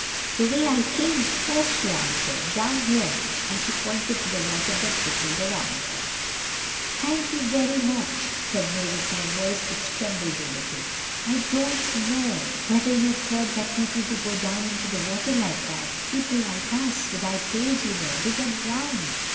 "The way I came, of course," she answered, "down here," and she pointed to the water that rippled around her. "Thank you so very, very much," said Mavis, in a voice which trembled a little; "but I don't know whether you've heard that people who go down into the water like that—people like us—without tails, you know—they get drowned."